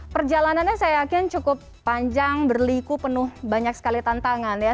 perjalanannya saya yakin cukup panjang berliku penuh banyak sekali tantangan ya